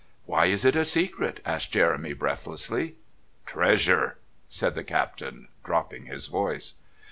"Why is it a secret?" asked Jeremy breathlessly. "Treasure," said the Captain, dropping his voice.